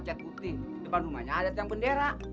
cat putih depan rumahnya ada yang bendera